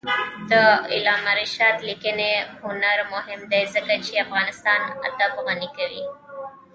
د علامه رشاد لیکنی هنر مهم دی ځکه چې افغانستان ادب غني کوي.